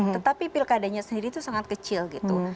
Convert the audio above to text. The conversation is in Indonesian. tetapi pilkadanya sendiri itu sangat kecil gitu